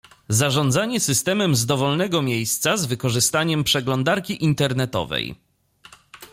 Zarządzanie systemem z dowolnego miejsca z wykorzystaniem przeglądarki internetowej